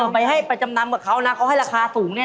ไปให้ไปจำนำกับเขานะเขาให้ราคาสูงเนี่ย